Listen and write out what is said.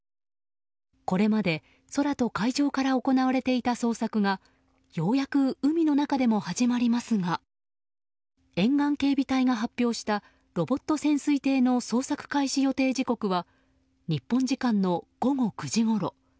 これまで空と海上から行われていた捜索がようやく海の中でも始まりますが沿岸警備隊が発表したロボット潜水艇の捜索開始予定時刻は日本時間の午後９時ごろ。